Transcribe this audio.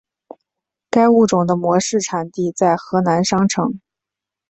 该物种的模式产地在河南商城。